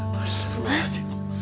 mas aku mau pergi